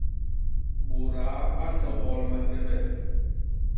Bôdaa ba nnobol matebel.